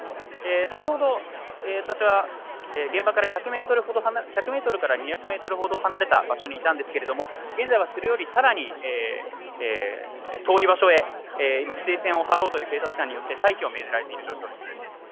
先ほど私は現場から１００メートルから２００メートルほど離れた場所にいたんですが、現在はそれよりさらに遠い場所へ、今、規制線を張ろうという警察官によって退避を命ぜられている状況です。